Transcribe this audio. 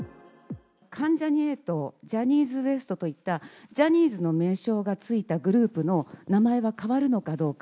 関ジャニ∞、ジャニーズＷＥＳＴといったジャニーズの名称が付いたグループの名前は変わるのかどうか。